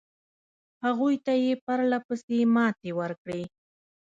هغوی ته یې پرله پسې ماتې ورکړې.